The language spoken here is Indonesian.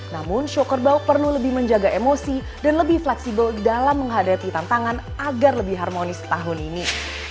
namun show kerbau perlu lebih menjaga emosi dan lebih fleksibel dalam menghadapi tantangan agar lebih harmonis tahun ini